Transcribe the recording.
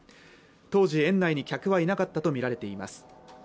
当時園内に客はいなかったと見られています